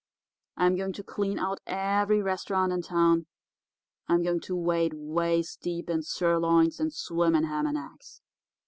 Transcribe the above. I'm going to clean out every restaurant in town. I'm going to wade waist deep in sirloins and swim in ham and eggs.